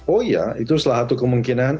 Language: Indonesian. oh iya itu salah satu kemungkinan